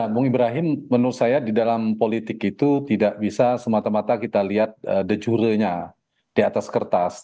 bung ibrahim menurut saya di dalam politik itu tidak bisa semata mata kita lihat de jure nya di atas kertas